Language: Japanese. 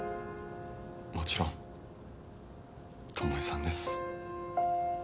もちろん巴さんです。